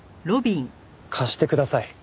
貸してください。